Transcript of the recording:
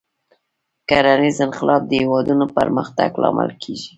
کرنیز انقلاب د هېوادونو پرمختګ لامل کېږي.